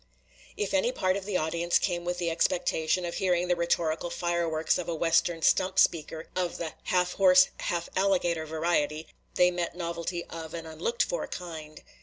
If any part of the audience came with the expectation of hearing the rhetorical fire works of a Western stump speaker of the "half horse, half alligator" variety, they met novelty of an unlooked for kind.